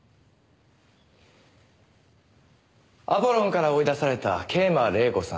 アポロンから追い出された桂馬麗子さん。